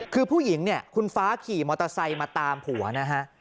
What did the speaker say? คือผู้หญิงเนี่ยคุณฟ้าขี่มอเตอร์ไซค์มาตามผัวนะฮะ